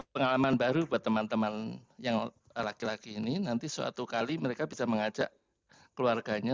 pengalaman baru buat teman teman yang laki laki ini nanti suatu kali mereka bisa mengajak keluarganya